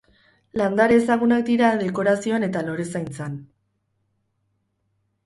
Landare ezagunak dira dekorazioan eta lorezaintzan.